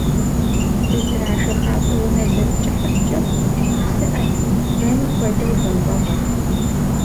Дыздрашэха щӏыунэ зэв кӏыхьыр кӏыфӏт, псыӏэт, бэным хуэдэу бэмпӏэгъуэт.